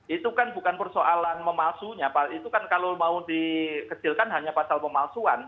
itu kan bukan persoalan memalsunya itu kan kalau mau dikecilkan hanya pasal pemalsuan